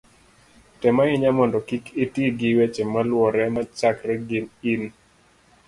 tem ahinya mondo kik iti gi weche maluwore machakre gi in